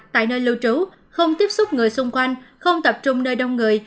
tại nơi lưu trú không tiếp xúc người xung quanh không tập trung nơi đông người